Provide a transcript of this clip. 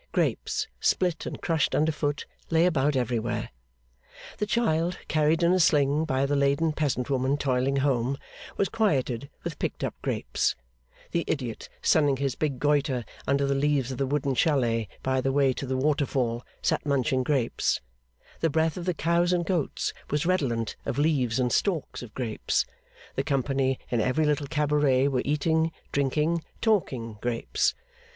Grapes, split and crushed under foot, lay about everywhere. The child carried in a sling by the laden peasant woman toiling home, was quieted with picked up grapes; the idiot sunning his big goitre under the leaves of the wooden chalet by the way to the Waterfall, sat munching grapes; the breath of the cows and goats was redolent of leaves and stalks of grapes; the company in every little cabaret were eating, drinking, talking grapes.